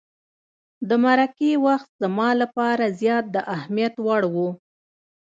د مرکې وخت زما لپاره زیات د اهمیت وړ وو.